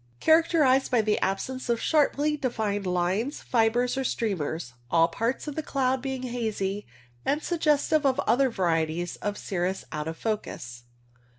Characterized by the absence of sharply defined lines, fibres, or streamers ; all parts of the cloud being hazy, and suggestive of other varieties of cirrus out of focus.